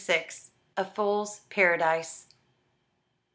A Fool's Paradise.